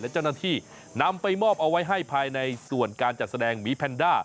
และเจ้าหน้าที่นำไปมอบเอาไว้ให้ภายในส่วนการจัดแสดงหมีแพนด้า